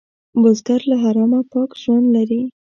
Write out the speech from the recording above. بزګر له حرامه پاک ژوند لري